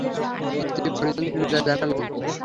স্ত্রী-পরিজনদের বিদায় জানালেন।